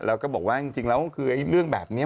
แล้วก็บอกว่าจริงแล้วคือเรื่องแบบนี้